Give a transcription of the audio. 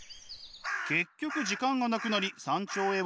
結局時間がなくなり山頂へは行かずに下山。